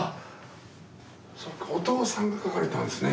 お父さんが描かれたんですね。